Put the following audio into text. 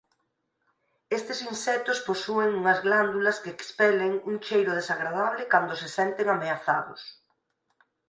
Estes insectos posúen unhas glándulas que expelen un cheiro desagradable cando se senten ameazados.